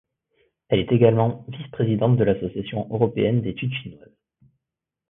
Elle est également vice-présidente de l'Association européenne d'études chinoises.